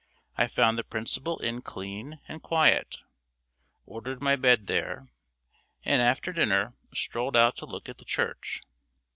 I found the principal inn clean and quiet ordered my bed there and, after dinner, strolled out to look at the church.